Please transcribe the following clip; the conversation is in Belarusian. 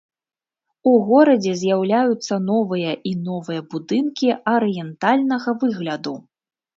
У горадзе з'яўляюцца новыя і новыя будынкі арыентальнага выгляду.